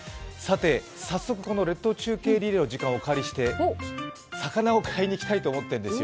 早速、この列島中継リレーの時間をお借りして、魚を買いに行きたいと思っているんですよ。